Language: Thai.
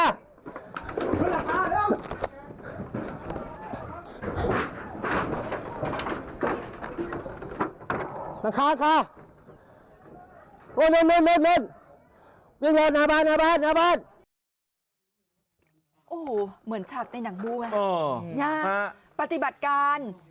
รวบรับอธิบายสำเร็จงกุมมาติดได้ได้ของ